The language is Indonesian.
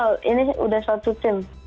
kenal ini udah satu tim